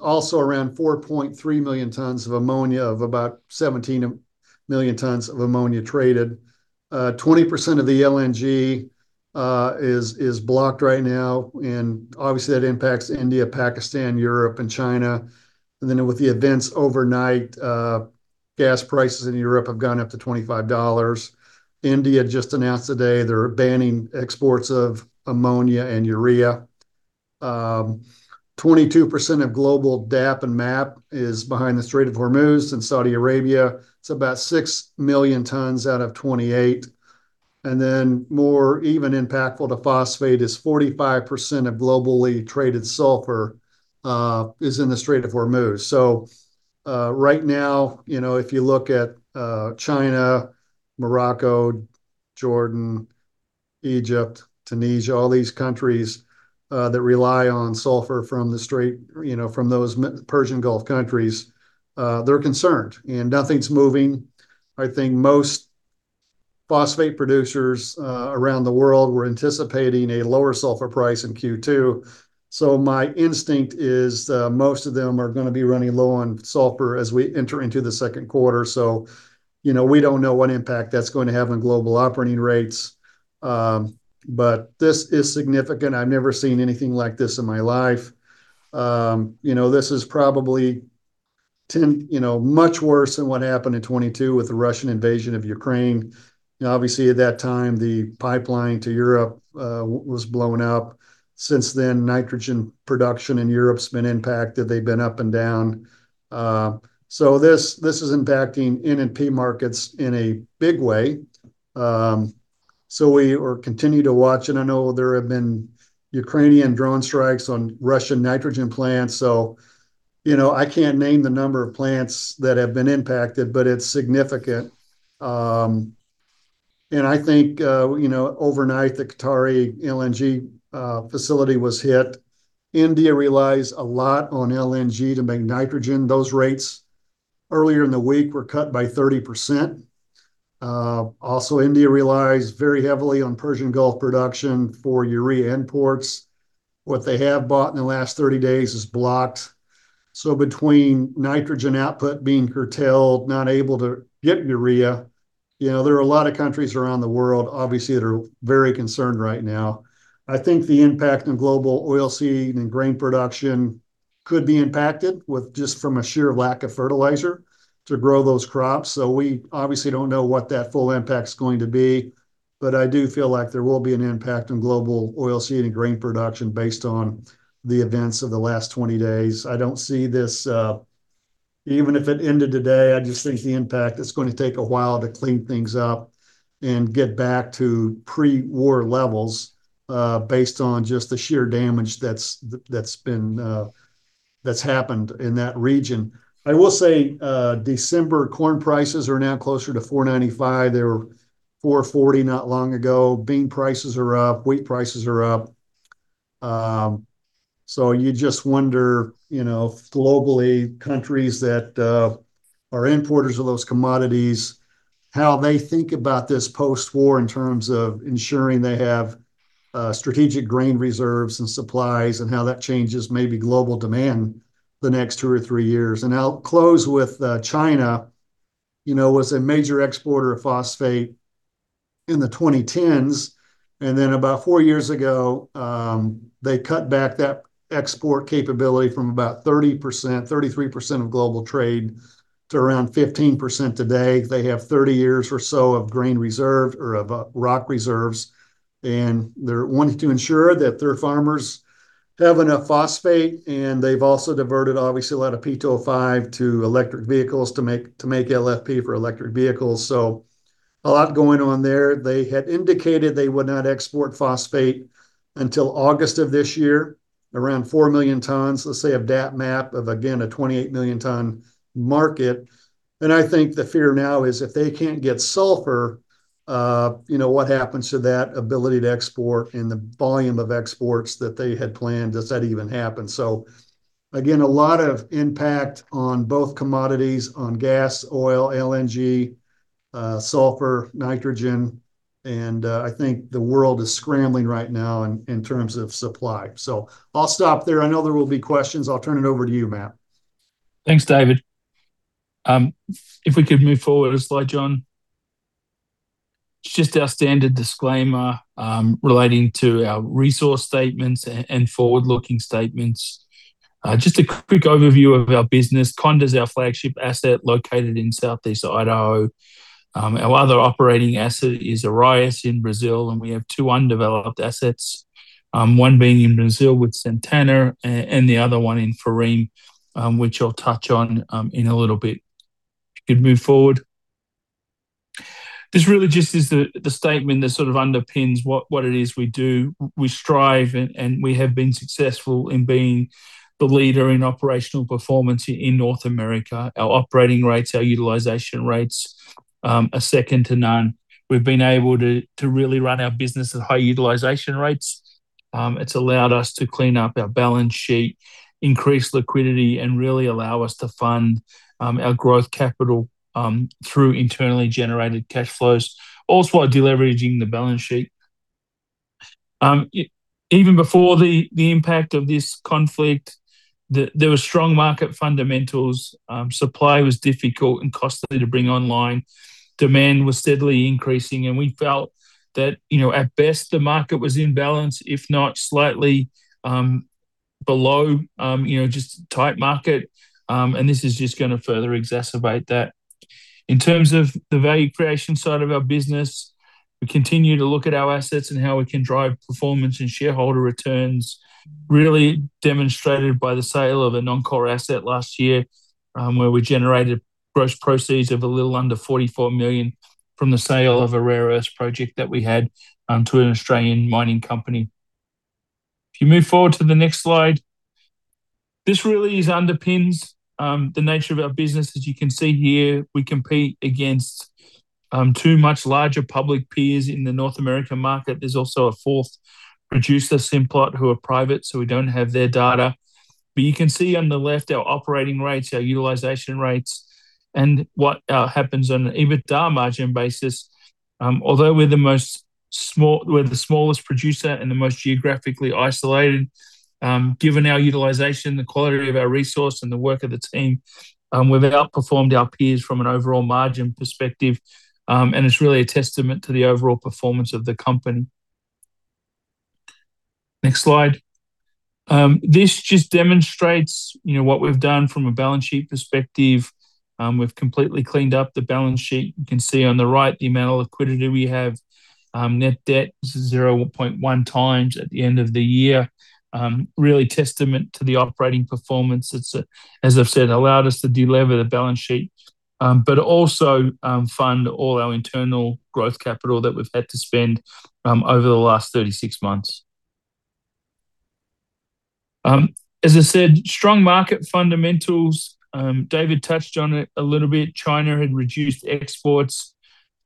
Also around 4.3 million tons of ammonia, of about 17 million tons of ammonia traded. Twenty percent of the LNG is blocked right now, and obviously that impacts India, Pakistan, Europe and China. With the events overnight, gas prices in Europe have gone up to $25. India just announced today they're banning exports of ammonia and urea. Twenty-two percent of global DAP and MAP is behind the Strait of Hormuz in Saudi Arabia. It's about 6 million tons out of 28. More even impactful to phosphate is 45% of globally traded sulfur is in the Strait of Hormuz. Right now, you know, if you look at China, Morocco, Jordan, Egypt, Tunisia, all these countries that rely on sulfur from the strait, you know, from those Persian Gulf countries, they're concerned, and nothing's moving. I think most phosphate producers around the world were anticipating a lower sulfur price in Q2. My instinct is that most of them are gonna be running low on sulfur as we enter into the second quarter. You know, we don't know what impact that's going to have on global operating rates. This is significant. I've never seen anything like this in my life. You know, this is probably, you know, much worse than what happened in 2022 with the Russian invasion of Ukraine. You know, obviously at that time, the pipeline to Europe was blown up. Since then, nitrogen production in Europe's been impacted. They've been up and down. This is impacting N and P markets in a big way. We will continue to watch. I know there have been Ukrainian drone strikes on Russian nitrogen plants. You know, I can't name the number of plants that have been impacted, but it's significant. I think, you know, overnight the Qatari LNG facility was hit. India relies a lot on LNG to make nitrogen. Those rates earlier in the week were cut by 30%. Also India relies very heavily on Persian Gulf production for urea imports. What they have bought in the last 30 days is blocked. Between nitrogen output being curtailed, not able to get urea, you know, there are a lot of countries around the world obviously that are very concerned right now. I think the impact on global oilseed and grain production could be impacted with just from a sheer lack of fertilizer to grow those crops. We obviously don't know what that full impact's going to be, but I do feel like there will be an impact on global oilseed and grain production based on the events of the last 20 days. I don't see this, even if it ended today, I just think the impact, it's gonna take a while to clean things up and get back to pre-war levels, based on just the sheer damage that's happened in that region. I will say, December corn prices are now closer to $4.95. They were $4.40 not long ago. Bean prices are up, wheat prices are up. You just wonder, you know, globally, countries that are importers of those commodities, how they think about this post-war in terms of ensuring they have strategic grain reserves and supplies, and how that changes maybe global demand the next two or three years. I'll close with China, you know, was a major exporter of phosphate in the 2010s, and then about four years ago, they cut back that export capability from about 30%, 33% of global trade to around 15% today. They have 30 years or so of rock reserves, and they're wanting to ensure that their farmers have enough phosphate, and they've also diverted obviously a lot of P2O5 to electric vehicles to make LFP for electric vehicles. A lot going on there. They had indicated they would not export phosphate until August of this year, around 4 million tons, let's say of DAP, MAP of again a 28 million ton market. I think the fear now is if they can't get sulfur, you know, what happens to that ability to export and the volume of exports that they had planned? Does that even happen? Again, a lot of impact on both commodities, on gas, oil, LNG, sulfur, nitrogen, and I think the world is scrambling right now in terms of supply. I'll stop there. I know there will be questions. I'll turn it over to you, Matt. Thanks, David. If we could move forward a slide, John. It's just our standard disclaimer relating to our resource statements and forward-looking statements. Just a quick overview of our business. Conda is our flagship asset located in Southeast Idaho. Our other operating asset is Arraias in Brazil, and we have two undeveloped assets, one being in Brazil with Santana, and the other one in Farim, which I'll touch on in a little bit. If you could move forward. This really just is the statement that sort of underpins what it is we do. We strive and we have been successful in being the leader in operational performance in North America. Our operating rates, our utilization rates, are second to none. We've been able to really run our business at high utilization rates. It's allowed us to clean up our balance sheet, increase liquidity, and really allow us to fund our growth capital through internally generated cash flows, also while de-leveraging the balance sheet. Even before the impact of this conflict, there were strong market fundamentals. Supply was difficult and costly to bring online. Demand was steadily increasing, and we felt that, you know, at best, the market was in balance, if not slightly below, you know, just tight market. This is just gonna further exacerbate that. In terms of the value creation side of our business, we continue to look at our assets and how we can drive performance and shareholder returns. Really demonstrated by the sale of a non-core asset last year, where we generated gross proceeds of a little under $44 million from the sale of a rare earth project that we had to an Australian mining company. If you move forward to the next slide. This really underpins the nature of our business. As you can see here, we compete against two much larger public peers in the North American market. There's also a fourth producer, Simplot, who are private, so we don't have their data. But you can see on the left our operating rates, our utilization rates and what happens on an EBITDA margin basis. Although we're the smallest producer and the most geographically isolated, given our utilization, the quality of our resource and the work of the team, we've outperformed our peers from an overall margin perspective. It's really a testament to the overall performance of the company. Next slide. This just demonstrates, you know, what we've done from a balance sheet perspective. We've completely cleaned up the balance sheet. You can see on the right the amount of liquidity we have. Net debt is 0.1 times at the end of the year. Really testament to the operating performance. It's, as I've said, allowed us to delever the balance sheet, but also, fund all our internal growth capital that we've had to spend, over the last 36 months. As I said, strong market fundamentals. David touched on it a little bit. China had reduced exports.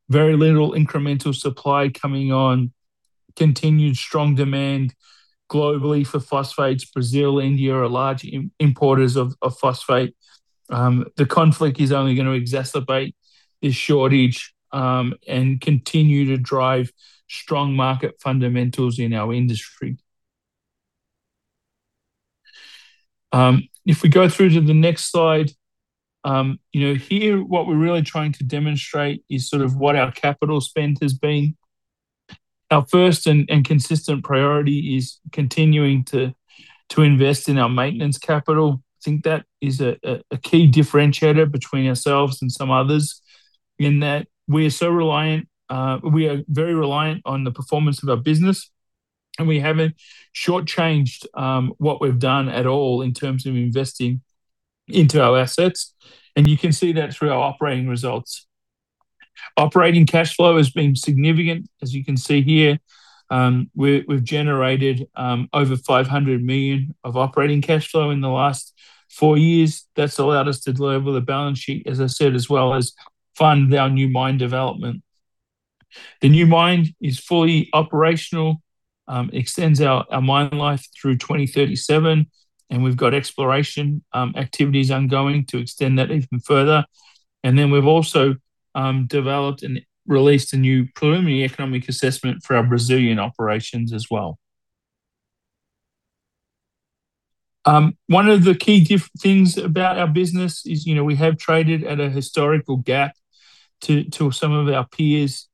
Very little incremental supply coming on. Continued strong demand globally for phosphates. Brazil, India are large importers of phosphate. The conflict is only gonna exacerbate this shortage, and continue to drive strong market fundamentals in our industry. If we go through to the next slide, you know, here what we're really trying to demonstrate is sort of what our capital spend has been. Our first and consistent priority is continuing to invest in our maintenance capital. I think that is a key differentiator between ourselves and some others in that we are very reliant on the performance of our business, and we haven't short-changed what we've done at all in terms of investing into our assets. You can see that through our operating results. Operating cash flow has been significant, as you can see here. We've generated over $500 million of operating cash flow in the last four years. That's allowed us to delever the balance sheet, as I said, as well as fund our new mine development. The new mine is fully operational, extends our mine life through 2037, and we've got exploration activities ongoing to extend that even further. We've also developed and released a new preliminary economic assessment for our Brazilian operations as well. One of the key things about our business is, you know, we have traded at a historical gap to some of our peers.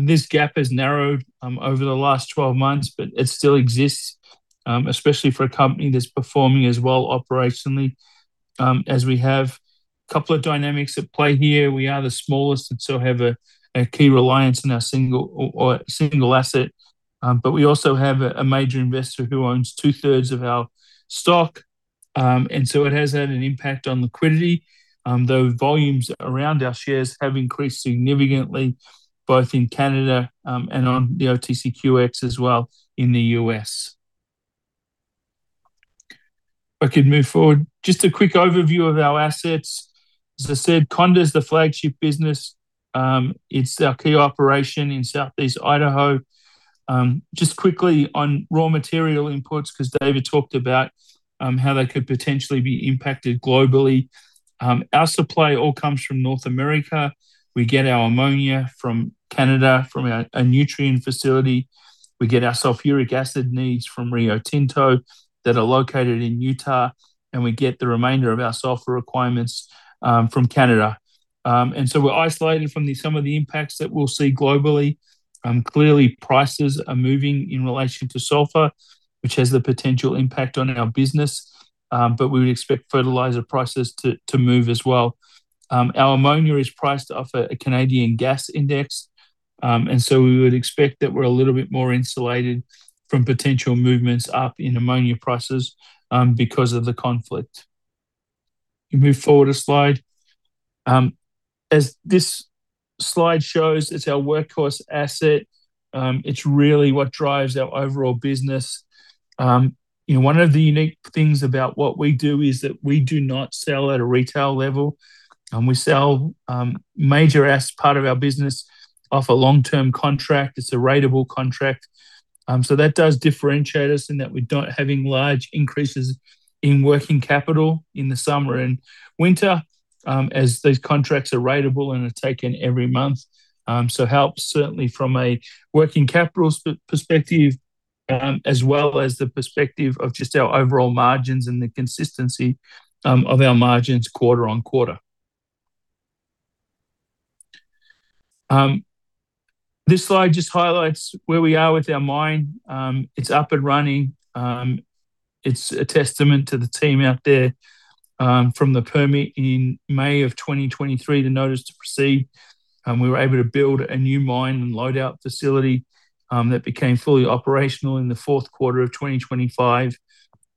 This gap has narrowed over the last 12 months, but it still exists, especially for a company that's performing as well operationally as we have. A couple of dynamics at play here. We are the smallest and so have a key reliance in our single asset. We also have a major investor who owns two-thirds of our stock, and so it has had an impact on liquidity. Those volumes around our shares have increased significantly both in Canada and on the OTCQX as well in the US. If I could move forward. Just a quick overview of our assets. As I said, Conda is the flagship business. It's our key operation in Southeast Idaho. Just quickly on raw material inputs, 'cause David talked about how they could potentially be impacted globally. Our supply all comes from North America. We get our ammonia from Canada, from a Nutrien facility. We get our sulfuric acid needs from Rio Tinto that are located in Utah, and we get the remainder of our sulfur requirements from Canada. We're isolated from some of the impacts that we'll see globally. Clearly prices are moving in relation to sulfur, which has the potential impact on our business. We would expect fertilizer prices to move as well. Our ammonia is priced off a Canadian gas index, and so we would expect that we're a little bit more insulated from potential movements up in ammonia prices because of the conflict. You can move forward a slide. As this slide shows, it's our workhorse asset. It's really what drives our overall business. You know, one of the unique things about what we do is that we do not sell at a retail level. We sell major part of our business off a long-term contract. It's a ratable contract. That does differentiate us in that we're not having large increases in working capital in the summer and winter. Those contracts are ratable and are taken every month. Help certainly from a working capital perspective, as well as the perspective of just our overall margins and the consistency of our margins quarter on quarter. This slide just highlights where we are with our mine. It's up and running. It's a testament to the team out there, from the permit in May 2023, the notice to proceed, we were able to build a new mine and load-out facility that became fully operational in the fourth quarter of 2025.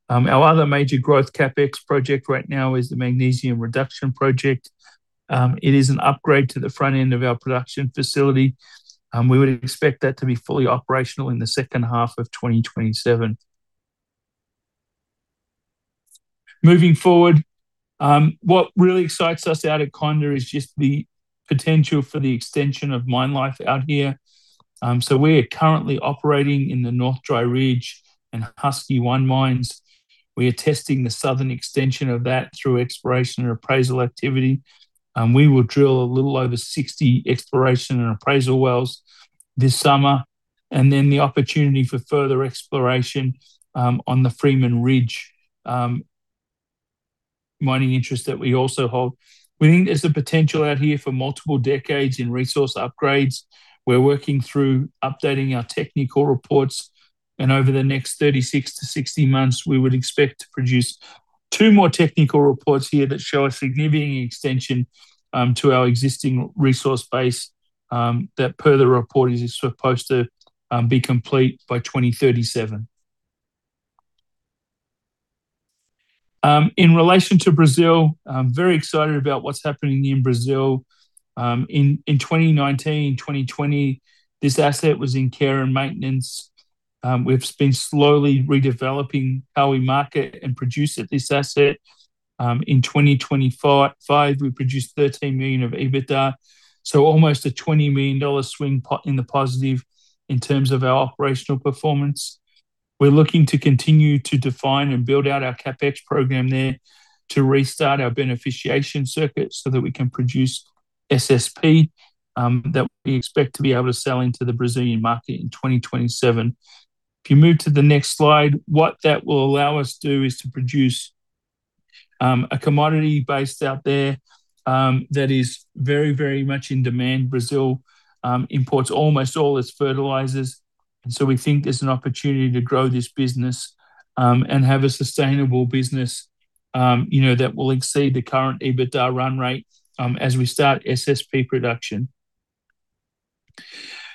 Our other major growth CapEx project right now is the Magnesium Reduction project. It is an upgrade to the front end of our production facility. We would expect that to be fully operational in the second half of 2027. Moving forward, what really excites us out at Conda is just the potential for the extension of mine life out here. We are currently operating in the North Dry Ridge and Husky 1 mines. We are testing the southern extension of that through exploration and appraisal activity. We will drill a little over 60 exploration and appraisal wells this summer, and then the opportunity for further exploration on the Freeman Ridge mining interest that we also hold. We think there's the potential out here for multiple decades in resource upgrades. We're working through updating our technical reports, and over the next 36-60 months, we would expect to produce two more technical reports here that show a significant extension to our existing resource base that per the report is supposed to be complete by 2037. In relation to Brazil, I'm very excited about what's happening in Brazil. In 2019, 2020, this asset was in care and maintenance. We've been slowly redeveloping how we market and produce at this asset. In 2025 we produced $13 million of EBITDA, so almost a $20 million swing to the positive in terms of our operational performance. We're looking to continue to define and build out our CapEx program there to restart our beneficiation circuit so that we can produce SSP that we expect to be able to sell into the Brazilian market in 2027. If you move to the next slide, what that will allow us to do is to produce a commodity base out there that is very, very much in demand. Brazil imports almost all its fertilizers, and so we think there's an opportunity to grow this business and have a sustainable business you know that will exceed the current EBITDA run rate as we start SSP production.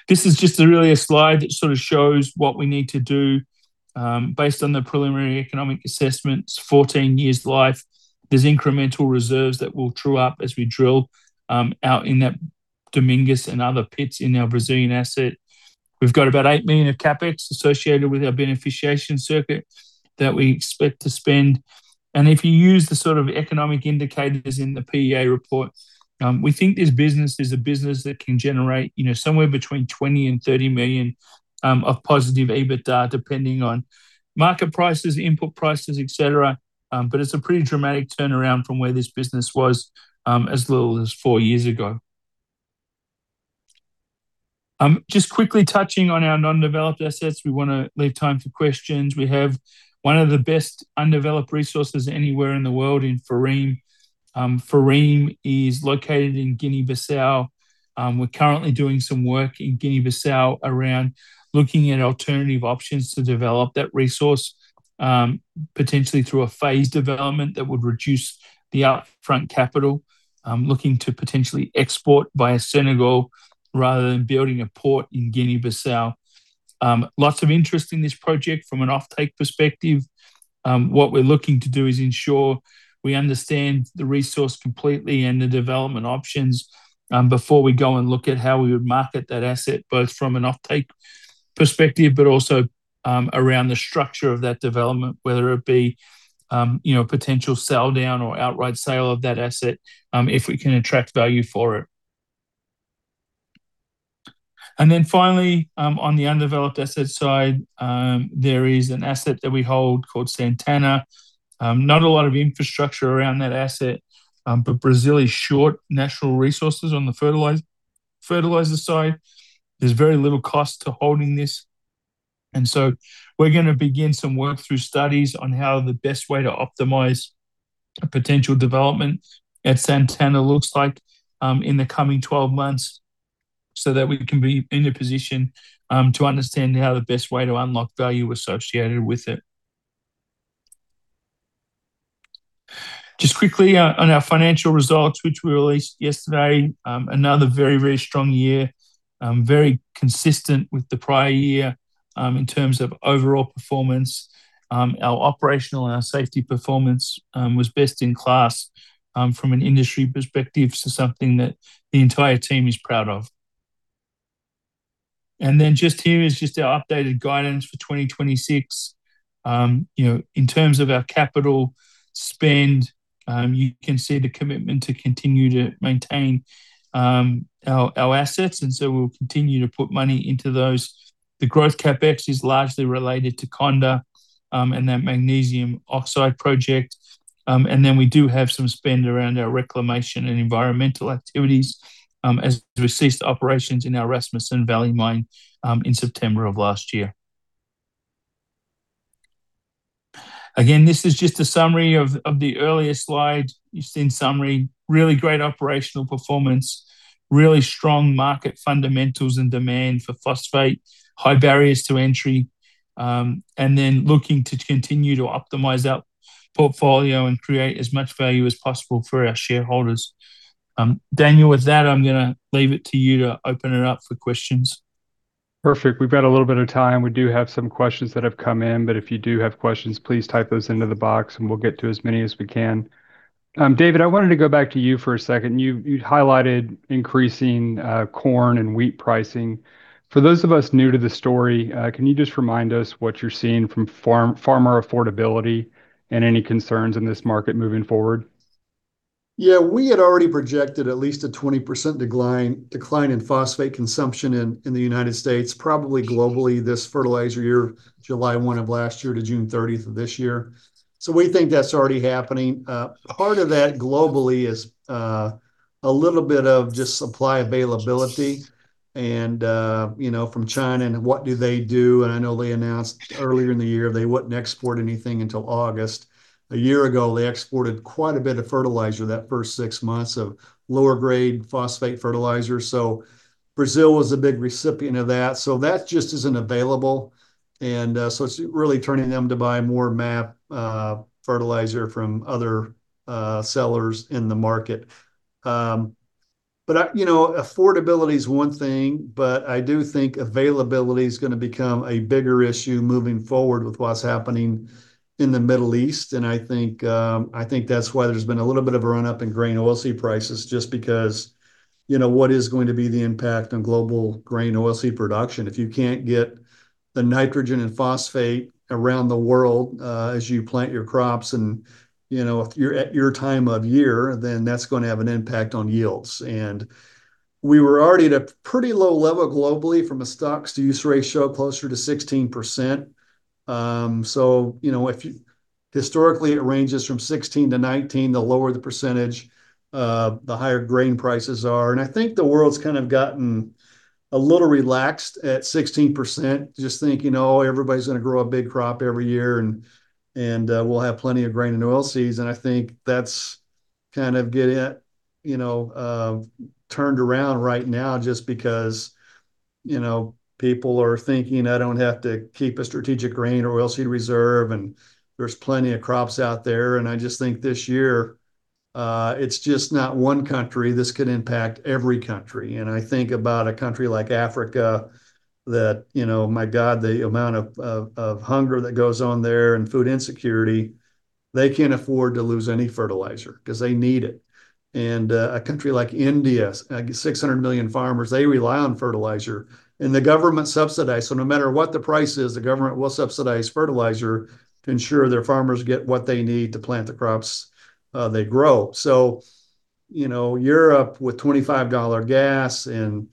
This is just really a slide that sort of shows what we need to do. Based on the preliminary economic assessments, 14 years life. There's incremental reserves that we'll true up as we drill out in that Domingues and other pits in our Brazilian asset. We've got about $8 million of CapEx associated with our beneficiation circuit that we expect to spend. If you use the sort of economic indicators in the PEA report, we think this business is a business that can generate, you know, somewhere between $20 million and $30 million of positive EBITDA, depending on market prices, input prices, et cetera. It's a pretty dramatic turnaround from where this business was as little as years ago. Just quickly touching on our non-developed assets. We wanna leave time for questions. We have one of the best undeveloped resources anywhere in the world in Farim. Farim is located in Guinea-Bissau. We're currently doing some work in Guinea-Bissau around looking at alternative options to develop that resource, potentially through a phased development that would reduce the upfront capital. Looking to potentially export via Senegal rather than building a port in Guinea-Bissau. Lots of interest in this project from an offtake perspective. What we're looking to do is ensure we understand the resource completely and the development options, before we go and look at how we would market that asset, both from an offtake perspective but also, around the structure of that development, whether it be, you know, a potential sell down or outright sale of that asset, if we can attract value for it. Then finally, on the undeveloped asset side, there is an asset that we hold called Santana. Not a lot of infrastructure around that asset, but Brazil is short natural resources on the fertilizer side. There's very little cost to holding this, and so we're gonna begin some work through studies on how the best way to optimize a potential development at Santana looks like, in the coming 12 months, so that we can be in a position to understand how the best way to unlock value associated with it. Just quickly on our financial results, which we released yesterday. Another very, very strong year. Very consistent with the prior year, in terms of overall performance. Our operational and our safety performance was best in class from an industry perspective, so something that the entire team is proud of. Just here is just our updated guidance for 2026. You know, in terms of our capital spend, you can see the commitment to continue to maintain our assets, and so we'll continue to put money into those. The growth CapEx is largely related to Conda, and that magnesium oxide project. We do have some spend around our reclamation and environmental activities, as we ceased operations in our Rasmussen Valley Mine, in September of last year. Again, this is just a summary of the earlier slide. You've seen summary. Really great operational performance, really strong market fundamentals and demand for phosphate, high barriers to entry, and then looking to continue to optimize our portfolio and create as much value as possible for our shareholders. Daniel, with that, I'm gonna leave it to you to open it up for questions. Perfect. We've got a little bit of time. We do have some questions that have come in, but if you do have questions, please type those into the box and we'll get to as many as we can. David, I wanted to go back to you for a second. You highlighted increasing corn and wheat pricing. For those of us new to the story, can you just remind us what you're seeing from farmer affordability, and any concerns in this market moving forward? Yeah. We had already projected at least a 20% decline in phosphate consumption in the United States, probably globally this fertilizer year, July 1 of last year to June 30th of this year. We think that's already happening. Part of that globally is a little bit of just supply availability and you know, from China and what do they do. I know they announced earlier in the year they wouldn't export anything until August. A year ago, they exported quite a bit of fertilizer that first six months of lower grade phosphate fertilizer, so Brazil was a big recipient of that. That just isn't available and so it's really turning them to buy more MAP fertilizer from other sellers in the market. But I... You know, affordability is one thing, but I do think availability's gonna become a bigger issue moving forward with what's happening in the Middle East, and I think that's why there's been a little bit of a run-up in grain and oilseed prices just because, you know, what is going to be the impact on global grain and oilseed production if you can't get the nitrogen and phosphate around the world, as you plant your crops and, you know, if you're at your time of year, then that's gonna have an impact on yields. We were already at a pretty low level globally from a stocks-to-use ratio closer to 16%. So, you know, historically it ranges from 16%-19%. The lower the percentage, the higher grain prices are. I think the world's kind of gotten a little relaxed at 16% just thinking, oh, everybody's gonna grow a big crop every year and we'll have plenty of grain and oil seeds, and I think that's kind of getting, you know, turned around right now just because, you know, people are thinking I don't have to keep a strategic grain or oil seed reserve, and there's plenty of crops out there. I just think this year it's just not one country. This could impact every country. I think about a country like Africa that, you know, my God, the amount of hunger that goes on there and food insecurity, they can't afford to lose any fertilizer 'cause they need it. A country like India, like 600 million farmers, they rely on fertilizer, and the government subsidize. No matter what the price is, the government will subsidize fertilizer to ensure their farmers get what they need to plant the crops they grow. You know, Europe with $25 gas and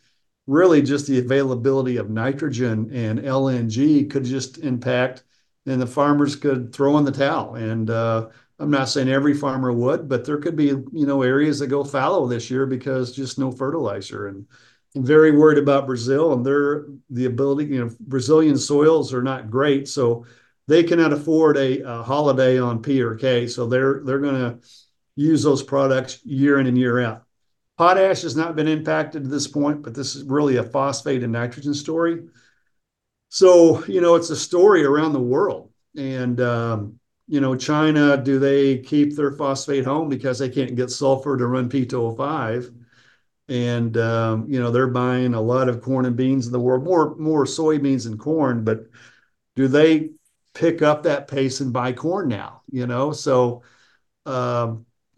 really just the availability of nitrogen and LNG could just impact, and the farmers could throw in the towel. I'm not saying every farmer would, but there could be, you know, areas that go fallow this year because just no fertilizer. I'm very worried about Brazil and their ability. You know, Brazilian soils are not great, so they cannot afford a holiday on P or K. They're gonna use those products year in and year out. Potash has not been impacted at this point, but this is really a phosphate and nitrogen story. You know, it's a story around the world. You know, China, do they keep their phosphate home because they can't get sulfur to run P2O5? You know, they're buying a lot of corn and beans in the world. More soybeans than corn, but do they pick up that pace and buy corn now, you know?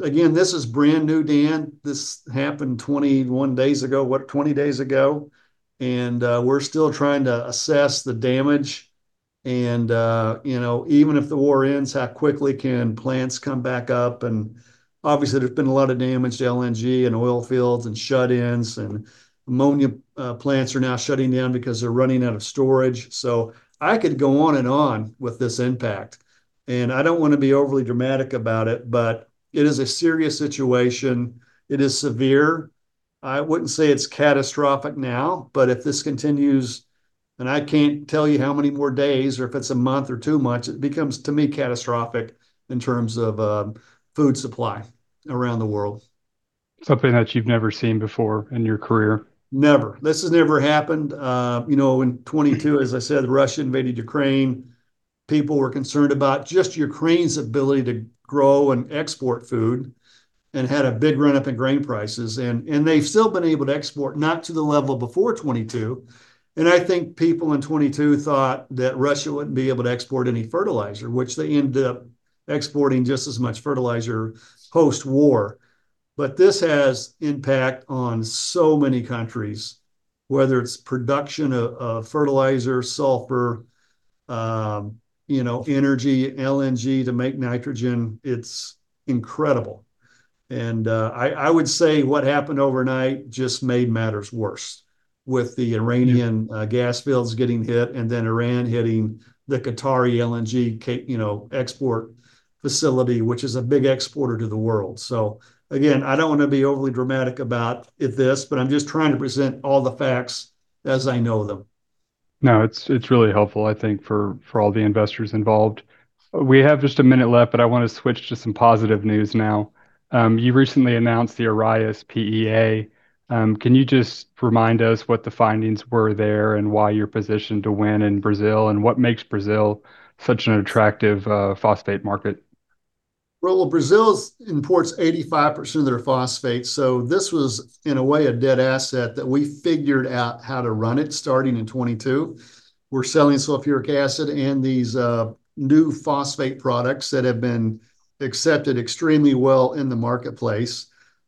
Again, this is brand new, Dan. This happened 21 days ago, what, 20 days ago? We're still trying to assess the damage. You know, even if the war ends, how quickly can plants come back up? Obviously there's been a lot of damage to LNG and oil fields and shut-ins and ammonia plants are now shutting down because they're running out of storage. I could go on and on with this impact. I don't wanna be overly dramatic about it, but it is a serious situation. It is severe. I wouldn't say it's catastrophic now, but if this continues, and I can't tell you how many more days, or if it's a month or two months, it becomes, to me, catastrophic in terms of food supply around the world. Something that you've never seen before in your career. Never. This has never happened. In 2022, as I said, Russia invaded Ukraine. People were concerned about just Ukraine's ability to grow and export food, and there had a big run-up in grain prices, and they've still been able to export, not to the level before 2022. I think people in 2022 thought that Russia wouldn't be able to export any fertilizer, which they ended up exporting just as much fertilizer post-war. This has impact on so many countries, whether it's production of fertilizer, sulfur, energy, LNG to make nitrogen. It's incredible. I would say what happened overnight just made matters worse with the Iranian- Yeah gas fields getting hit, and then Iran hitting the Qatari LNG you know, export facility, which is a big exporter to the world. Again, I don't wanna be overly dramatic about this, but I'm just trying to present all the facts as I know them. No, it's really helpful, I think, for all the investors involved. We have just a minute left, but I wanna switch to some positive news now. You recently announced the Arraias PEA. Can you just remind us what the findings were there and why you're positioned to win in Brazil, and what makes Brazil such an attractive phosphate market? Well, Brazil imports 85% of their phosphate, so this was, in a way, a dead asset that we figured out how to run it starting in 2022. We're selling sulfuric acid and these new phosphate products that have been accepted extremely well in the marketplace.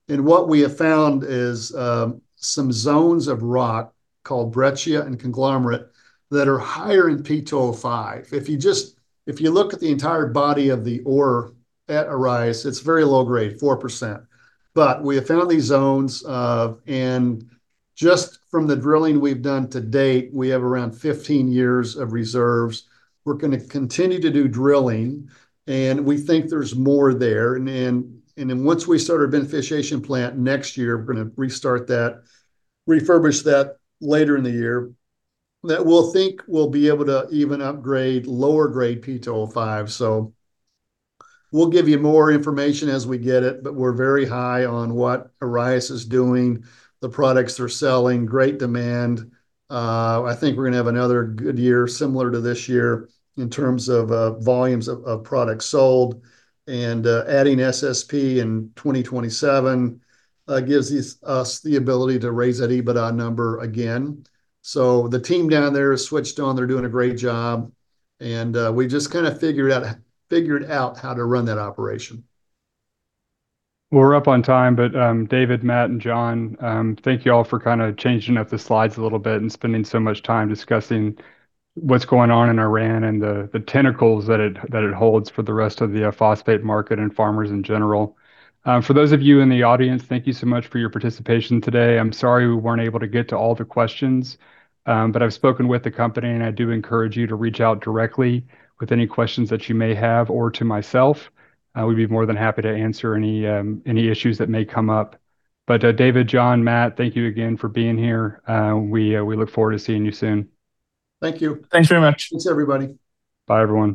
What we have found is some zones of rock called breccia and conglomerate that are higher in P2O5. If you look at the entire body of the ore at Arraias, it's very low grade, 4%. We have found these zones and just from the drilling we've done to date, we have around 15 years of reserves. We're gonna continue to do drilling, and we think there's more there. Once we start our beneficiation plant next year, we're gonna restart that, refurbish that later in the year, that we think we'll be able to even upgrade lower grade P2O5. We'll give you more information as we get it, but we're very high on what Arraias is doing, the products they're selling, great demand. I think we're gonna have another good year similar to this year in terms of volumes of products sold. Adding SSP in 2027 gives us the ability to raise that EBITDA number again. The team down there is switched on, they're doing a great job, and we just kind of figured out how to run that operation. We're up on time, but David, Matt and John, thank you all for kind of changing up the slides a little bit and spending so much time discussing what's going on in Iran and the tentacles that it holds for the rest of the phosphate market and farmers in general. For those of you in the audience, thank you so much for your participation today. I'm sorry we weren't able to get to all the questions, but I've spoken with the company, and I do encourage you to reach out directly with any questions that you may have, or to myself. I would be more than happy to answer any issues that may come up. David, John, Matt, thank you again for being here. We look forward to seeing you soon. Thank you. Thanks very much. Thanks, everybody. Bye, everyone.